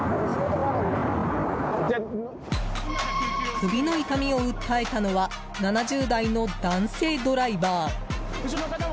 首の痛みを訴えたのは７０代の男性ドライバー。